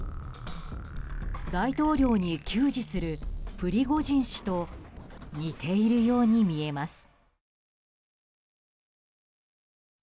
大統領に給仕するプリゴジン氏と似ているように見えます。